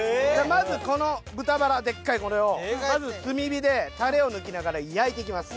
まずこの豚バラでっかいこれをまず炭火でタレを塗りながら焼いていきます。